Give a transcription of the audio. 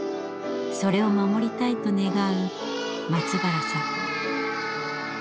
それを守りたいと願う松原さん。